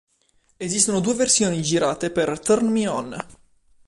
Esistono due versioni girate per "Turn Me On".